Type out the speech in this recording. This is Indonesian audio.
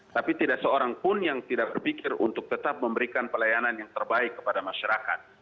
tapi tidak seorang pun yang tidak berpikir untuk tetap memberikan pelayanan yang terbaik kepada masyarakat